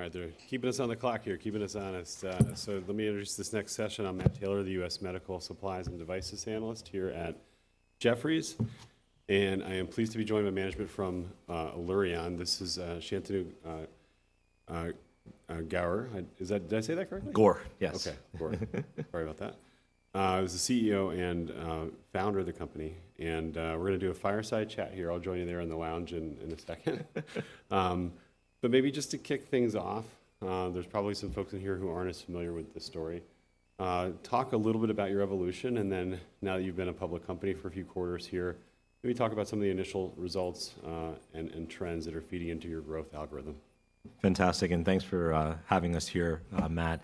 All right, they're keeping us on the clock here, keeping us honest. So let me introduce this next session. I'm Matt Taylor, the U.S. Medical Supplies and Devices Analyst here at Jefferies, and I am pleased to be joined by management from Allurion. This is Shantanu Gaur. Is that, did I say that correctly? Gaur, yes. Okay, Gaur. Sorry about that. He's the CEO and founder of the company, and we're going to do a fireside chat here. I'll join you there in the lounge in a second. But maybe just to kick things off, there's probably some folks in here who aren't as familiar with the story. Talk a little bit about your evolution, and then now that you've been a public company for a few quarters here, maybe talk about some of the initial results, and trends that are feeding into your growth algorithm. Fantastic, and thanks for having us here, Matt.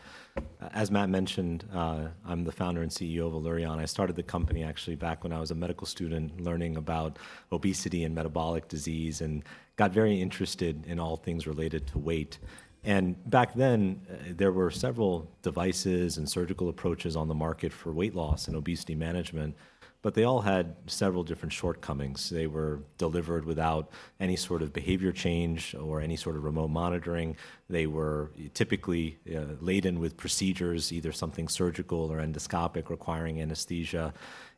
As Matt mentioned, I'm the founder and CEO of Allurion. I started the company actually back when I was a medical student, learning about obesity and metabolic disease, and got very interested in all things related to weight. Back then, there were several devices and surgical approaches on the market for weight loss and obesity management, but they all had several different shortcomings. They were delivered without any sort of behavior change or any sort of remote monitoring. They were typically laden with procedures, either something surgical or endoscopic, requiring anesthesia,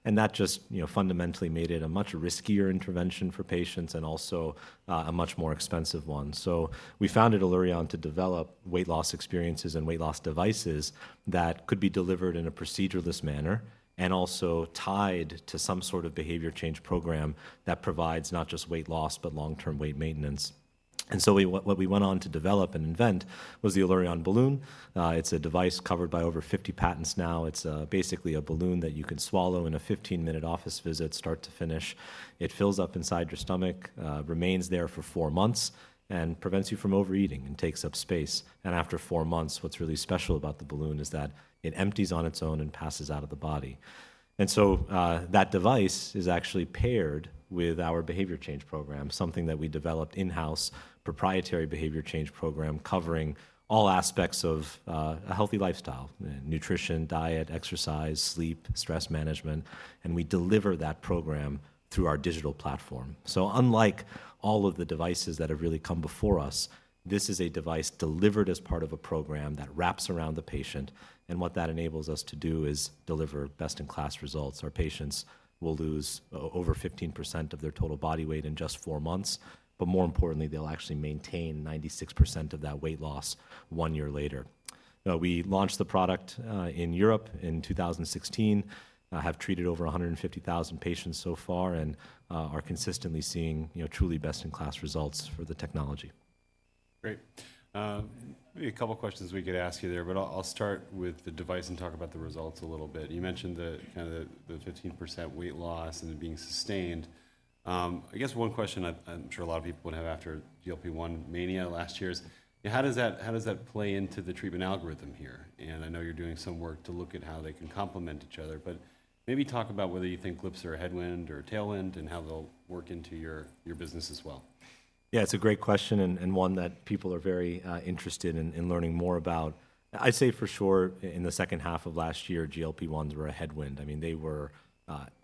and that just, you know, fundamentally made it a much riskier intervention for patients and also a much more expensive one. So we founded Allurion to develop weight loss experiences and weight loss devices that could be delivered in a procedureless manner, and also tied to some sort of behavior change program that provides not just weight loss, but long-term weight maintenance. What we went on to develop and invent was the Allurion Balloon. It's a device covered by over 50 patents now. It's basically a balloon that you can swallow in a 15-minute office visit, start to finish. It fills up inside your stomach, remains there for four months, and prevents you from overeating and takes up space. And after four months, what's really special about the balloon is that it empties on its own and passes out of the body. And so, that device is actually paired with our behavior change program, something that we developed in-house, proprietary behavior change program, covering all aspects of a healthy lifestyle: nutrition, diet, exercise, sleep, stress management, and we deliver that program through our digital platform. So unlike all of the devices that have really come before us, this is a device delivered as part of a program that wraps around the patient, and what that enables us to do is deliver best-in-class results. Our patients will lose over 15% of their total body weight in just four months, but more importantly, they'll actually maintain 96% of that weight loss one year later. We launched the product in Europe in 2016, have treated over 150,000 patients so far and are consistently seeing, you know, truly best-in-class results for the technology. Great. Maybe a couple of questions we could ask you there, but I'll, I'll start with the device and talk about the results a little bit. You mentioned kinda the 15% weight loss and it being sustained. I guess one question I, I'm sure a lot of people would have after GLP-1 mania last year is: how does that, how does that play into the treatment algorithm here? And I know you're doing some work to look at how they can complement each other, but maybe talk about whether you think GLP-1s are a headwind or a tailwind and how they'll work into your, your business as well. Yeah, it's a great question, and one that people are very, interested in, in learning more about. I'd say for sure, in the second half of last year, GLP-1s were a headwind. I mean, they were,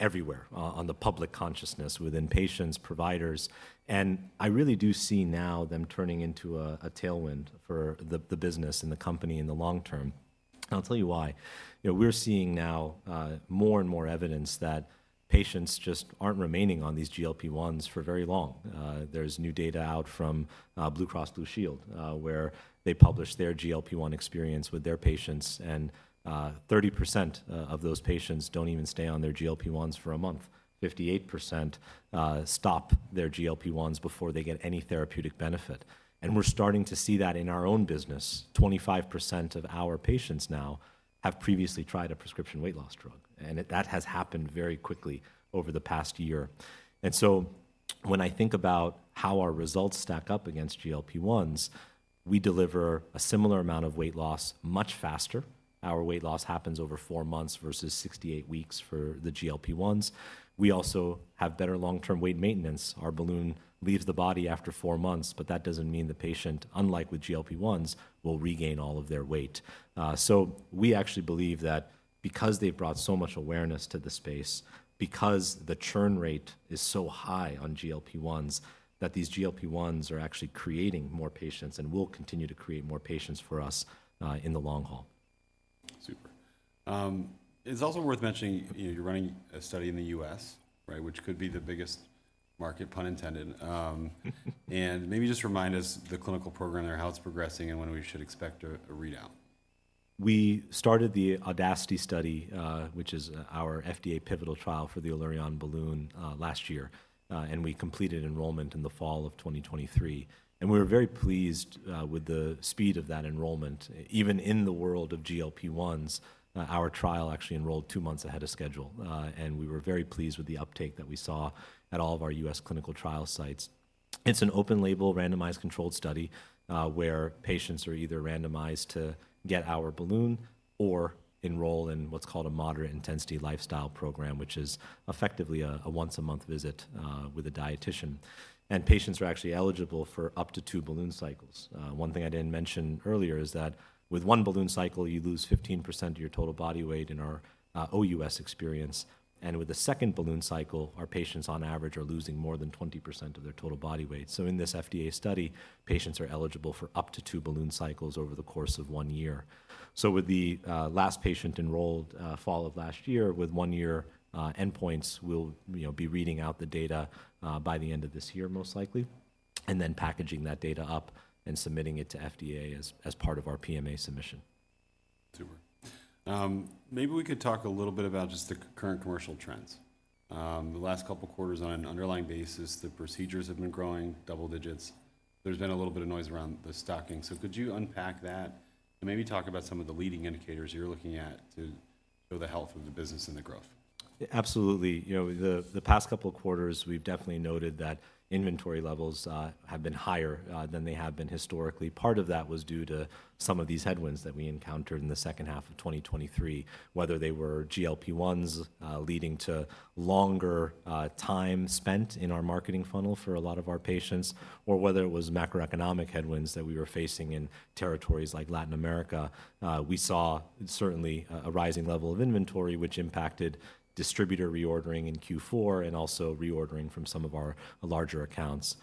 everywhere on the public consciousness, within patients, providers, and I really do see now them turning into a tailwind for the business and the company in the long term. And I'll tell you why. You know, we're seeing now, more and more evidence that patients just aren't remaining on these GLP-1s for very long. There's new data out from, Blue Cross Blue Shield, where they published their GLP-1 experience with their patients, and, 30% of those patients don't even stay on their GLP-1s for a month. 58% stop their GLP-1s before they get any therapeutic benefit. We're starting to see that in our own business. 25% of our patients now have previously tried a prescription weight loss drug, and that has happened very quickly over the past year. So when I think about how our results stack up against GLP-1s, we deliver a similar amount of weight loss much faster. Our weight loss happens over four months versus 68 weeks for the GLP-1s. We also have better long-term weight maintenance. Our balloon leaves the body after four months, but that doesn't mean the patient, unlike with GLP-1s, will regain all of their weight. So we actually believe that because they've brought so much awareness to the space, because the churn rate is so high on GLP-1s, that these GLP-1s are actually creating more patients and will continue to create more patients for us in the long haul. Super. It's also worth mentioning, you're running a study in the U.S., right? Which could be the biggest market, pun intended. And maybe just remind us the clinical program there, how it's progressing, and when we should expect a readout. We started the AUDACITY study, which is our FDA pivotal trial for the Allurion Balloon, last year, and we completed enrollment in the fall of 2023, and we were very pleased with the speed of that enrollment. Even in the world of GLP-1s, our trial actually enrolled 2 months ahead of schedule, and we were very pleased with the uptake that we saw at all of our U.S. clinical trial sites. It's an open-label, randomized controlled study, where patients are either randomized to get our balloon or enroll in what's called a moderate-intensity lifestyle program, which is effectively a once-a-month visit with a dietitian. Patients are actually eligible for up to 2 balloon cycles. One thing I didn't mention earlier is that with one balloon cycle, you lose 15% of your total body weight in our OUS experience, and with a second balloon cycle, our patients, on average, are losing more than 20% of their total body weight. So in this FDA study, patients are eligible for up to two balloon cycles over the course of one year. So with the last patient enrolled fall of last year, with one year endpoints, we'll, you know, be reading out the data by the end of this year, most likely, and then packaging that data up and submitting it to FDA as part of our PMA submission. Super. Maybe we could talk a little bit about just the current commercial trends. The last couple quarters on an underlying basis, the procedures have been growing double digits. There's been a little bit of noise around the stocking. So could you unpack that, and maybe talk about some of the leading indicators you're looking at to show the health of the business and the growth? Absolutely. You know, the past couple quarters, we've definitely noted that inventory levels have been higher than they have been historically. Part of that was due to some of these headwinds that we encountered in the second half of 2023, whether they were GLP-1s leading to longer time spent in our marketing funnel for a lot of our patients, or whether it was macroeconomic headwinds that we were facing in territories like Latin America. We saw certainly a rising level of inventory, which impacted distributor reordering in Q4, and also reordering from some of our larger accounts.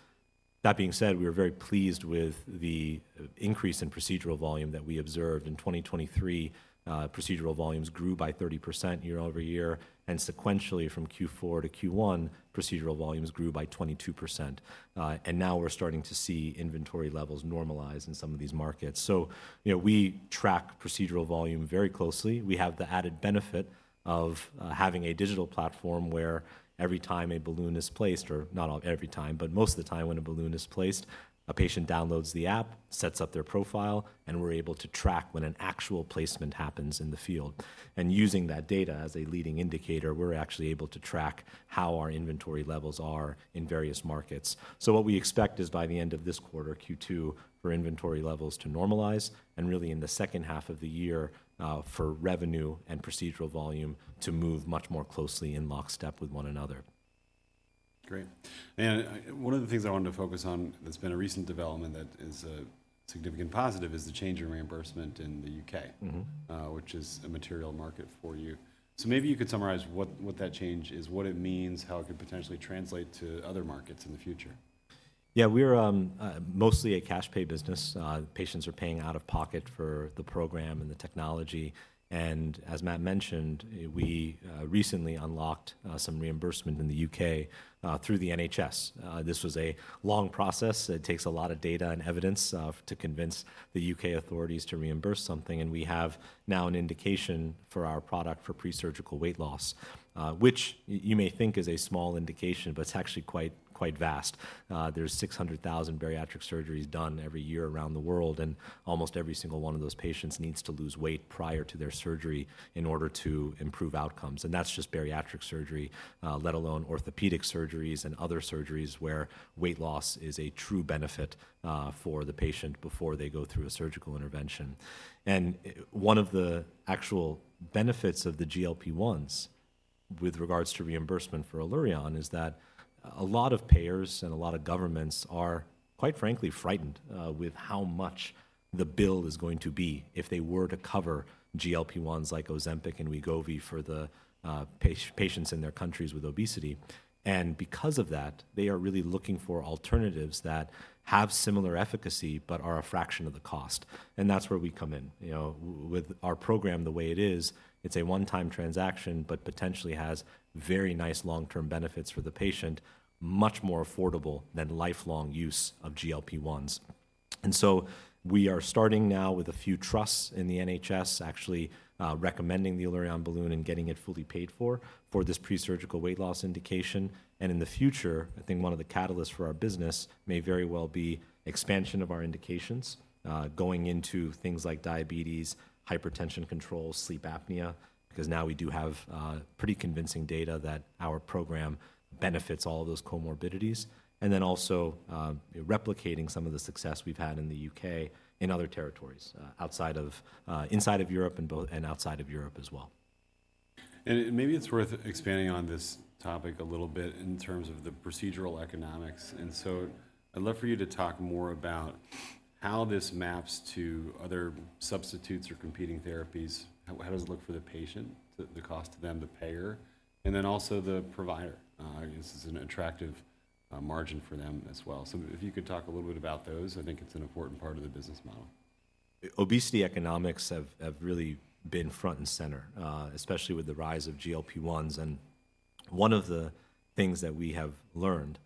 That being said, we were very pleased with the increase in procedural volume that we observed in 2023. Procedural volumes grew by 30% year-over-year, and sequentially from Q4 to Q1, procedural volumes grew by 22%. And now we're starting to see inventory levels normalize in some of these markets. So, you know, we track procedural volume very closely. We have the added benefit of having a digital platform, where every time a balloon is placed, or not every time, but most of the time when a balloon is placed, a patient downloads the app, sets up their profile, and we're able to track when an actual placement happens in the field. And using that data as a leading indicator, we're actually able to track how our inventory levels are in various markets. So what we expect is, by the end of this quarter, Q2, for inventory levels to normalize, and really in the second half of the year, for revenue and procedural volume to move much more closely in lockstep with one another. Great. One of the things I wanted to focus on that's been a recent development that is a significant positive is the change in reimbursement in the U.K. Mm-hmm... which is a material market for you. So maybe you could summarize what that change is, what it means, how it could potentially translate to other markets in the future? Yeah, we're mostly a cash pay business. Patients are paying out of pocket for the program and the technology. As Matt mentioned, we recently unlocked some reimbursement in the U.K. through the NHS. This was a long process. It takes a lot of data and evidence to convince the U.K. authorities to reimburse something, and we have now an indication for our product for pre-surgical weight loss, which you may think is a small indication, but it's actually quite, quite vast. There's 600,000 bariatric surgeries done every year around the world, and almost every single one of those patients needs to lose weight prior to their surgery in order to improve outcomes, and that's just bariatric surgery, let alone orthopedic surgeries and other surgeries where weight loss is a true benefit, for the patient before they go through a surgical intervention. One of the actual benefits of the GLP-1s, with regards to reimbursement for Allurion, is that a lot of payers and a lot of governments are, quite frankly, frightened, with how much the bill is going to be if they were to cover GLP-1s like Ozempic and Wegovy for the patients in their countries with obesity. And because of that, they are really looking for alternatives that have similar efficacy but are a fraction of the cost, and that's where we come in. You know, with our program the way it is, it's a one-time transaction, but potentially has very nice long-term benefits for the patient, much more affordable than lifelong use of GLP-1s. And so we are starting now with a few trusts in the NHS, actually, recommending the Allurion Balloon and getting it fully paid for, for this pre-surgical weight loss indication. And in the future, I think one of the catalysts for our business may very well be expansion of our indications, going into things like diabetes, hypertension control, sleep apnea, because now we do have, pretty convincing data that our program benefits all of those comorbidities. Then also, replicating some of the success we've had in the U.K. in other territories, inside of Europe and outside of Europe as well. Maybe it's worth expanding on this topic a little bit in terms of the procedural economics. So I'd love for you to talk more about how this maps to other substitutes or competing therapies. How does it look for the patient, the cost to them, the payer, and then also the provider? I guess this is an attractive margin for them as well. If you could talk a little bit about those, I think it's an important part of the business model. Obesity economics have really been front and center, especially with the rise of GLP-1s. One of the things that we have learned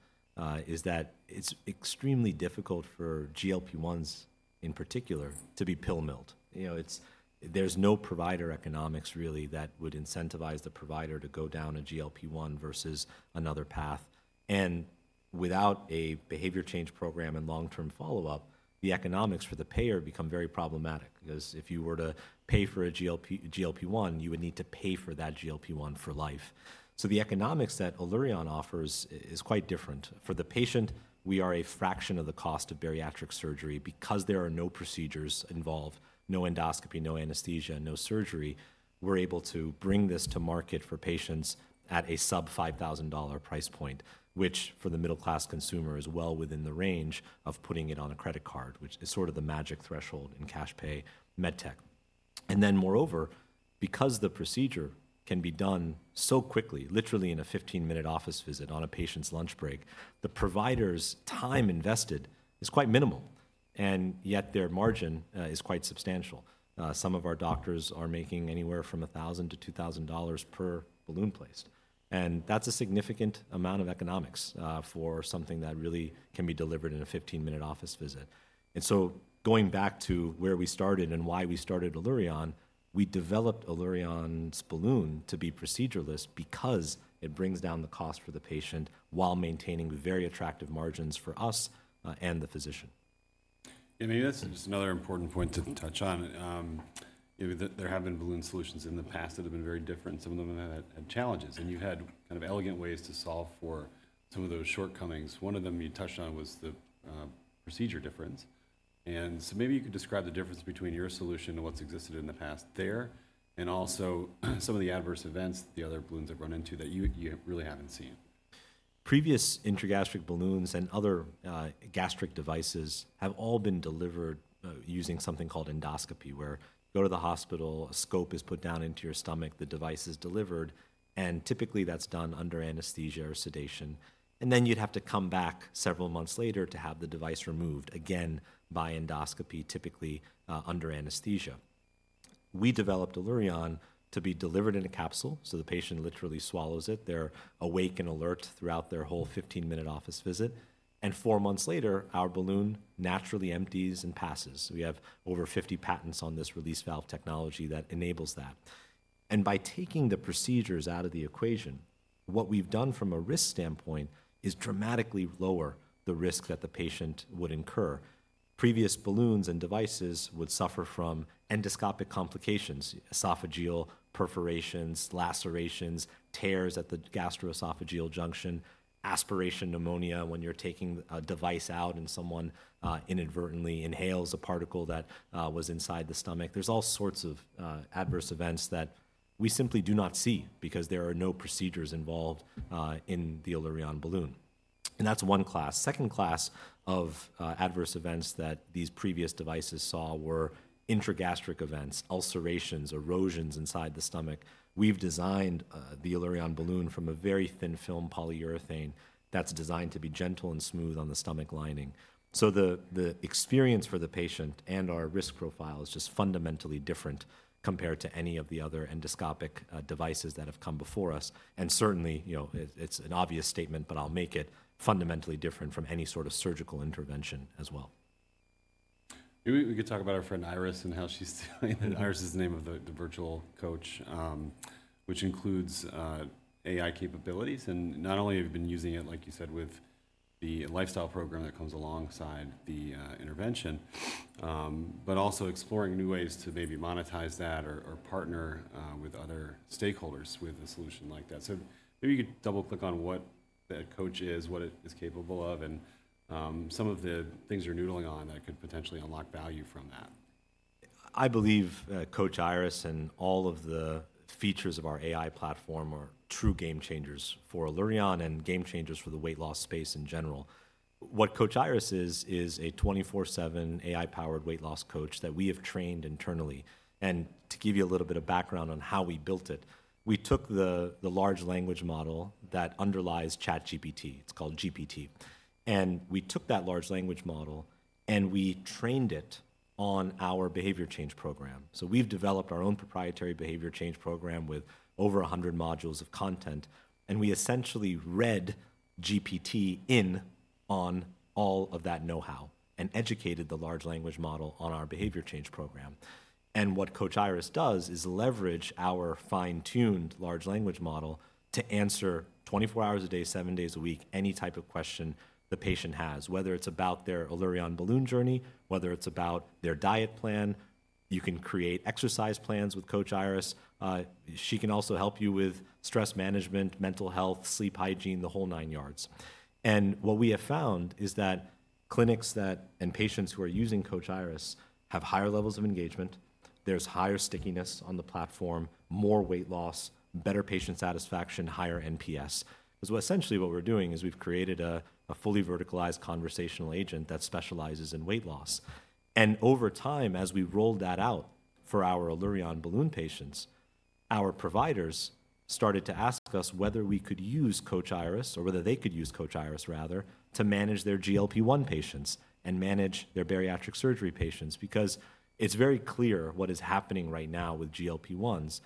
is that it's extremely difficult for GLP-1s, in particular, to be pill milled. You know, it's. There's no provider economics really that would incentivize the provider to go down a GLP-1 versus another path. Without a behavior change program and long-term follow-up, the economics for the payer become very problematic, because if you were to pay for a GLP-1, you would need to pay for that GLP-1 for life. So the economics that Allurion offers is quite different. For the patient, we are a fraction of the cost of bariatric surgery. Because there are no procedures involved, no endoscopy, no anesthesia, and no surgery, we're able to bring this to market for patients at a sub-$5,000 price point, which for the middle-class consumer, is well within the range of putting it on a credit card, which is sort of the magic threshold in cash pay med tech. Moreover, because the procedure can be done so quickly, literally in a 15-minute office visit on a patient's lunch break, the provider's time invested is quite minimal, and yet their margin is quite substantial. Some of our doctors are making anywhere from $1,000-$2,000 per balloon placed, and that's a significant amount of economics for something that really can be delivered in a 15-minute office visit. And so going back to where we started and why we started Allurion, we developed Allurion's balloon to be procedureless because it brings down the cost for the patient while maintaining very attractive margins for us, and the physician. Maybe that's just another important point to touch on. Maybe there have been balloon solutions in the past that have been very different. Some of them have had challenges, and you've had kind of elegant ways to solve for some of those shortcomings. One of them you touched on was the procedure difference. So maybe you could describe the difference between your solution and what's existed in the past there, and also some of the adverse events the other balloons have run into that you really haven't seen. Previous intragastric balloons and other, gastric devices have all been delivered, using something called endoscopy, where you go to the hospital, a scope is put down into your stomach, the device is delivered, and typically that's done under anesthesia or sedation. And then you'd have to come back several months later to have the device removed, again, by endoscopy, typically, under anesthesia. We developed Allurion to be delivered in a capsule, so the patient literally swallows it. They're awake and alert throughout their whole 15-minute office visit, and 4 months later, our balloon naturally empties and passes. We have over 50 patents on this release valve technology that enables that. And by taking the procedures out of the equation, what we've done from a risk standpoint is dramatically lower the risk that the patient would incur. Previous balloons and devices would suffer from endoscopic complications, esophageal perforations, lacerations, tears at the gastroesophageal junction, aspiration pneumonia when you're taking a device out and someone inadvertently inhales a particle that was inside the stomach. There's all sorts of adverse events that we simply do not see because there are no procedures involved in the Allurion Balloon, and that's one class. Second class of adverse events that these previous devices saw were intragastric events, ulcerations, erosions inside the stomach. We've designed the Allurion Balloon from a very thin film polyurethane that's designed to be gentle and smooth on the stomach lining. So the experience for the patient and our risk profile is just fundamentally different compared to any of the other endoscopic devices that have come before us, and certainly, you know, it's an obvious statement, but I'll make it, fundamentally different from any sort of surgical intervention as well. Maybe we could talk about our friend Iris and how she's doing. Iris is the name of the virtual coach, which includes AI capabilities, and not only have you been using it, like you said, with the lifestyle program that comes alongside the intervention, but also exploring new ways to maybe monetize that or partner with other stakeholders with a solution like that. So maybe you could double-click on what that coach is, what it is capable of, and some of the things you're noodling on that could potentially unlock value from that. I believe, Coach Iris and all of the features of our AI platform are true game changers for Allurion and game changers for the weight loss space in general. What Coach Iris is, is a 24/7 AI-powered weight loss coach that we have trained internally. And to give you a little bit of background on how we built it, we took the large language model that underlies ChatGPT, it's called GPT, and we took that large language model, and we trained it on our behavior change program. So we've developed our own proprietary behavior change program with over 100 modules of content, and we essentially read GPT in on all of that know-how and educated the large language model on our behavior change program. What Coach Iris does is leverage our fine-tuned large language model to answer 24 hours a day, 7 days a week, any type of question the patient has, whether it's about their Allurion Balloon journey, whether it's about their diet plan. You can create exercise plans with Coach Iris. She can also help you with stress management, mental health, sleep hygiene, the whole nine yards. And what we have found is that clinics that and patients who are using Coach Iris have higher levels of engagement. There's higher stickiness on the platform, more weight loss, better patient satisfaction, higher NPS. So essentially, what we're doing is we've created a fully verticalized conversational agent that specializes in weight loss. And over time, as we rolled that out for our Allurion Balloon patients, our providers started to ask us whether we could use Coach Iris or whether they could use Coach Iris, rather, to manage their GLP-1 patients and manage their bariatric surgery patients, because it's very clear what is happening right now with GLP-1s.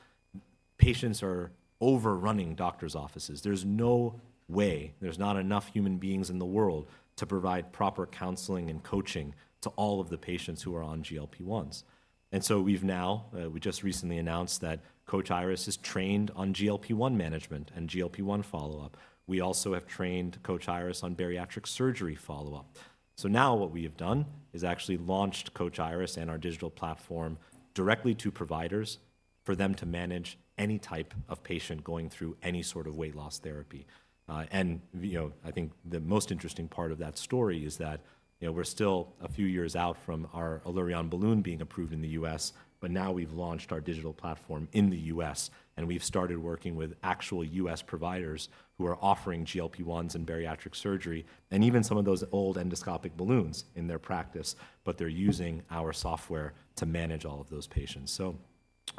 Patients are overrunning doctor's offices. There's no way, there's not enough human beings in the world to provide proper counseling and coaching to all of the patients who are on GLP-1s. And so we've now, we just recently announced that Coach Iris is trained on GLP-1 management and GLP-1 follow-up. We also have trained Coach Iris on bariatric surgery follow-up. So now what we have done is actually launched Coach Iris and our digital platform directly to providers for them to manage any type of patient going through any sort of weight loss therapy. And, you know, I think the most interesting part of that story is that, you know, we're still a few years out from our Allurion Balloon being approved in the U.S., but now we've launched our digital platform in the U.S., and we've started working with actual U.S. providers who are offering GLP-1s and bariatric surgery, and even some of those old endoscopic balloons in their practice, but they're using our software to manage all of those patients.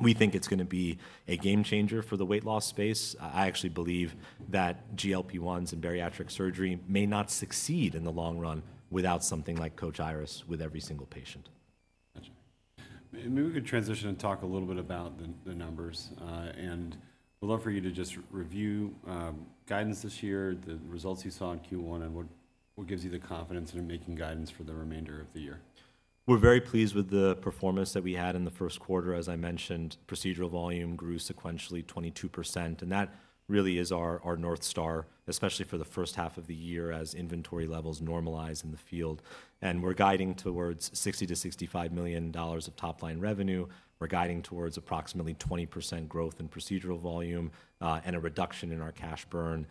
We think it's gonna be a game changer for the weight loss space. I actually believe that GLP-1s and bariatric surgery may not succeed in the long run without something like Coach Iris with every single patient. Gotcha. Maybe we could transition and talk a little bit about the numbers. We'd love for you to just re-review guidance this year, the results you saw in Q1, and what gives you the confidence in making guidance for the remainder of the year? We're very pleased with the performance that we had in the first quarter. As I mentioned, procedural volume grew sequentially 22%, and that really is our, our North Star, especially for the first half of the year, as inventory levels normalize in the field. And we're guiding towards $60-$65 million of top-line revenue. We're guiding towards approximately 20% growth in procedural volume, and a reduction in our cash burn,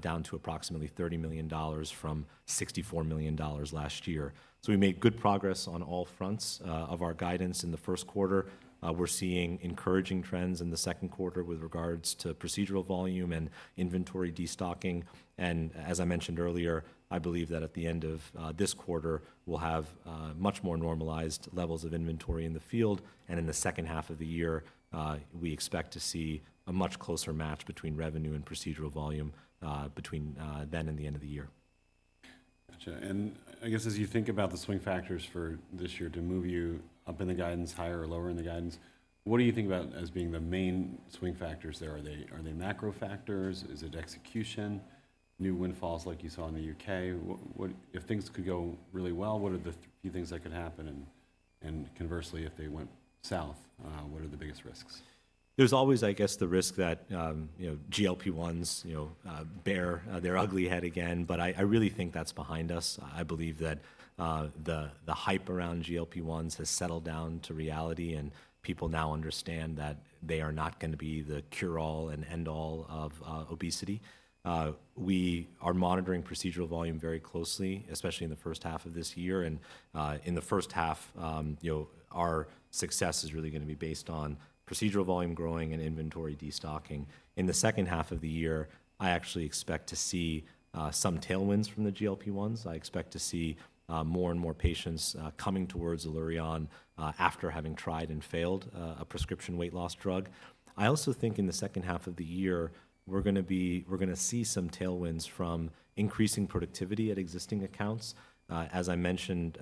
down to approximately $30 million from $64 million last year. So we made good progress on all fronts, of our guidance in the first quarter. We're seeing encouraging trends in the second quarter with regards to procedural volume and inventory destocking. As I mentioned earlier, I believe that at the end of this quarter, we'll have much more normalized levels of inventory in the field, and in the second half of the year, we expect to see a much closer match between revenue and procedural volume between then and the end of the year. Gotcha. And I guess, as you think about the swing factors for this year to move you up in the guidance, higher or lower in the guidance, what do you think about as being the main swing factors there? Are they, are they macro factors? Is it execution, new windfalls like you saw in the U.K.? What-- If things could go really well, what are the few things that could happen? And, and conversely, if they went south, what are the biggest risks? There's always, I guess, the risk that, you know, GLP-1s, you know, bare their ugly head again, but I really think that's behind us. I believe that the hype around GLP-1s has settled down to reality, and people now understand that they are not gonna be the cure-all and end-all of obesity. We are monitoring procedural volume very closely, especially in the first half of this year. In the first half, you know, our success is really gonna be based on procedural volume growing and inventory destocking. In the second half of the year, I actually expect to see some tailwinds from the GLP-1s. I expect to see more and more patients coming towards Allurion after having tried and failed a prescription weight loss drug. I also think in the second half of the year, we're gonna see some tailwinds from increasing productivity at existing accounts. As I mentioned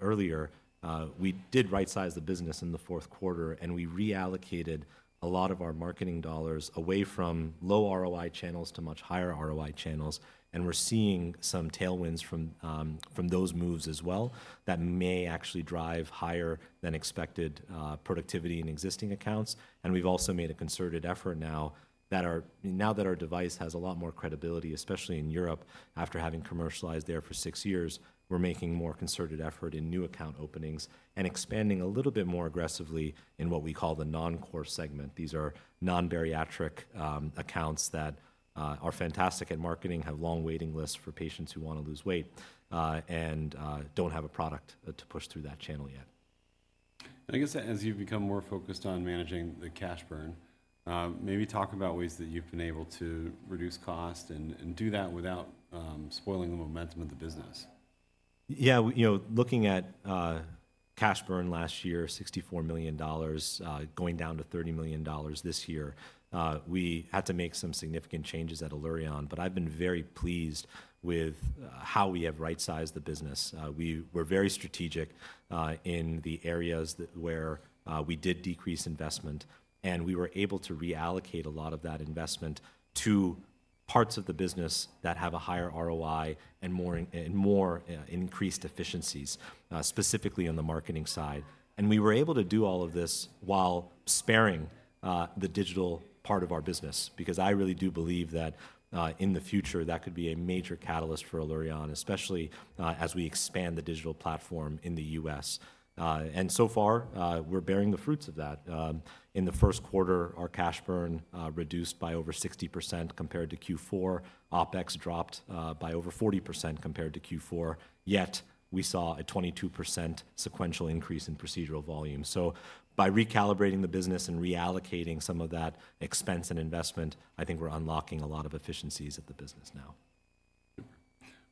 earlier, we did rightsize the business in the fourth quarter, and we reallocated a lot of our marketing dollars away from low ROI channels to much higher ROI channels. We're seeing some tailwinds from those moves as well that may actually drive higher than expected productivity in existing accounts. We've also made a concerted effort now that our device has a lot more credibility, especially in Europe, after having commercialized there for six years, we're making more concerted effort in new account openings and expanding a little bit more aggressively in what we call the non-core segment. These are non-bariatric accounts that are fantastic at marketing, have long waiting lists for patients who wanna lose weight, and don't have a product to push through that channel yet. I guess as you've become more focused on managing the cash burn, maybe talk about ways that you've been able to reduce cost and do that without spoiling the momentum of the business. Yeah, you know, looking at cash burn last year, $64 million, going down to $30 million this year, we had to make some significant changes at Allurion, but I've been very pleased with how we have rightsized the business. We were very strategic in the areas where we did decrease investment, and we were able to reallocate a lot of that investment to parts of the business that have a higher ROI and more and more increased efficiencies, specifically on the marketing side. And we were able to do all of this while sparing the digital part of our business because I really do believe that in the future, that could be a major catalyst for Allurion, especially as we expand the digital platform in the U.S. And so far, we're bearing the fruits of that. In the first quarter, our cash burn reduced by over 60% compared to Q4. OpEx dropped by over 40% compared to Q4, yet we saw a 22% sequential increase in procedural volume. So by recalibrating the business and reallocating some of that expense and investment, I think we're unlocking a lot of efficiencies at the business now.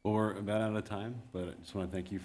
We're about out of time, but I just wanna thank you for-